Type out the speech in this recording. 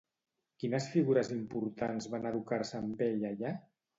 Quines figures importants van educar-se amb ell allà?